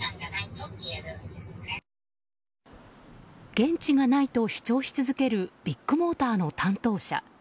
言質がないと主張し続けるビッグモーターの担当者。